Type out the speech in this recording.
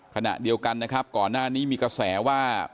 ขณะเดียวกันนะครับก่อนหน้านี้มีกระแสว่า